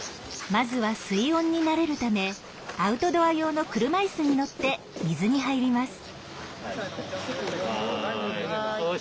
まずは水温に慣れるためアウトドア用の車いすに乗って水に入ります。